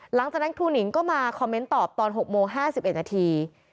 หลังจากนั้นครูหนิงก็มาคอมเมนต์ตอบตอน๖โมง๕๑นาที